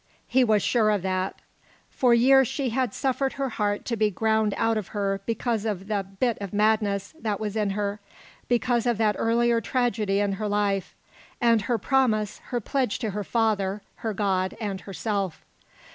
He was sure of that. For years she had suffered her heart to be ground out of her because of the "bit of madness" that was in her, because of that earlier tragedy in her life and her promise, her pledge to her father, her God, and herself.